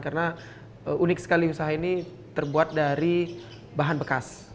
karena unik sekali usaha ini terbuat dari bahan bekas